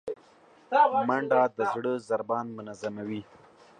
منډه د زړه ضربان منظموي